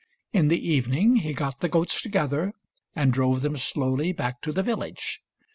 In the evening he got the goats to gether and drove them slowly back to the village.